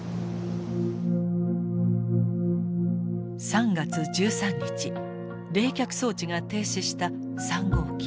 ３月１３日冷却装置が停止した３号機。